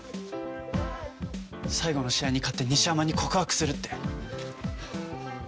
最後の試合に勝って西山に告白するって。